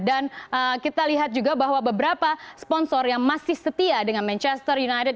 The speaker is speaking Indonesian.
dan kita lihat juga bahwa beberapa sponsor yang masih setia dengan manchester united